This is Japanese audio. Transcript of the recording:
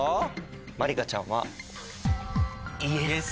まりかちゃんは「Ｙｅｓ」。